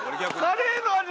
カレーの味